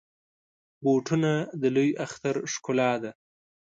بوټونه د لوی اختر ښکلا ده.